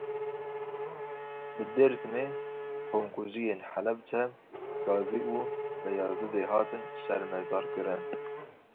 Li Dêrsimê komkujiyên Helebce, Gazî û Beyazidê hatin şermezarkirin.